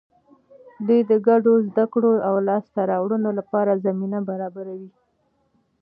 دوی د ګډو زده کړو او لاسته راوړنو لپاره زمینه برابروي.